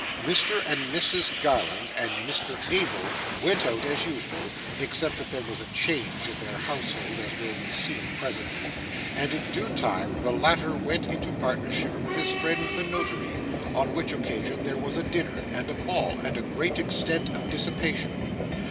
Mr and Mrs Garland, and Mr Abel, went out as usual (except that there was a change in their household, as will be seen presently), and in due time the latter went into partnership with his friend the notary, on which occasion there was a dinner, and a ball, and great extent of dissipation.